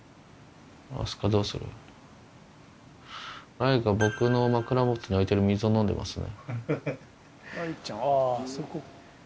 雷が僕の枕元に置いてる水を飲んでますね。